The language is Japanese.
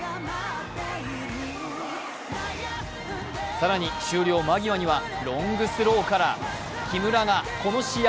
更に終了間際にはロングスローから木村がこの試合